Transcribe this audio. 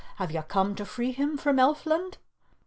"Have you come to free him from Elfland?"